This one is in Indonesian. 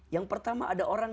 yang pertama ada orang